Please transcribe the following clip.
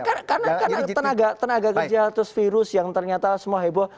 karena tenaga kerja terus virus yang ternyata semua heboh